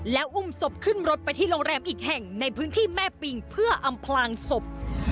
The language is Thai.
แล้วอุ้มศพขึ้นรถไปที่โรงแรมอีกแห่งในพื้นที่แม่ปิงเพื่ออำพลางศพ